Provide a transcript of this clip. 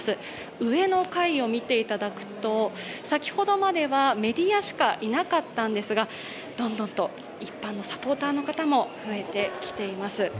上の階を見ていただくと、先ほどまではメディアしかいなかったんですが、どんどんと一般のサポーターの方も増えてきています。